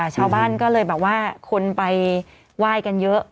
ชาวบ้านก็เลยแบบว่าคนไปไหว้กันเยอะ